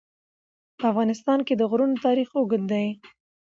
په افغانستان کې د غرونه تاریخ اوږد دی.